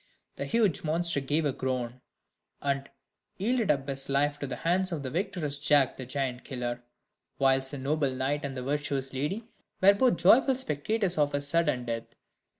The huge monster gave a groan, and yielded up his life into the hands of the victorious Jack the Giant Killer, whilst the noble knight and the virtuous lady were both joyful spectators of his sudden death.